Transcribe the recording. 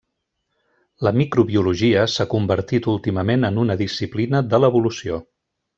La microbiologia s'ha convertit últimament en una disciplina de l'evolució.